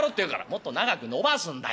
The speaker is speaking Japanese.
「もっと長く伸ばすんだよ」。